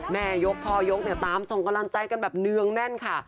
แม่ยกพ่อยกเนี่ยตามส่งกำลังใจกันแบบเนืองแน่นค่ะ